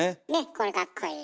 これかっこいい。